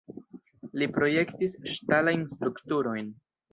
Li projektis ŝtalajn strukturojn.